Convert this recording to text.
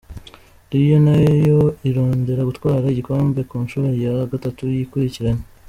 Real nayo irondera gutwara igikombe ku ncuro ya gatatu yikurikiranya.